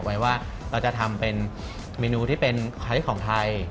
ไว้ว่าเราจะทำเป็นเมนูที่เป็นคล้ายของไทย